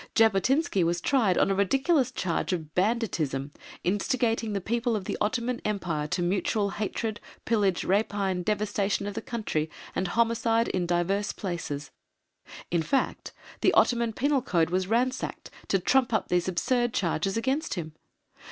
Jabotinsky was tried on a ridiculous charge of "banditism, instigating the people of the Ottoman Empire to mutual hatred, pillage, rapine, devastation of the country, and homicide in divers places" in fact the Ottoman penal code was ransacked to trump up these absurd charges against him.